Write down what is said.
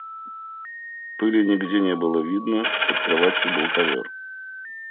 Пыли нигде не было видно, под кроватью был ковер.